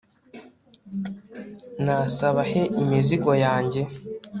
nasaba he imizigo yanjye